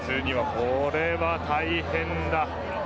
これは、大変だ。